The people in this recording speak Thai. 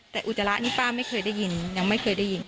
แต่อุจจาระนี่ป้าไม่เคยได้ยินยังไม่เคยได้ยิน